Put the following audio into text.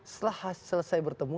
setelah selesai bertemu